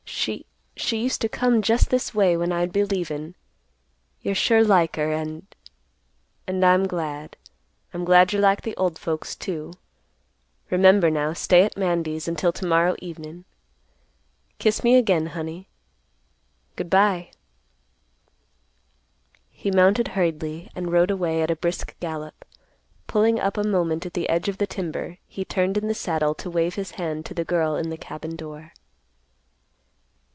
She—she used to come just this way when I'd be leavin'. You're sure like her, and—and I'm glad. I'm glad you're like the old folks, too. Remember now, stay at Mandy's until to morrow evenin'. Kiss me again, honey. Good by." He mounted hurriedly and rode away at a brisk gallop. Pulling up a moment at the edge of the timber, he turned in the saddle to wave his hand to the girl in the cabin door.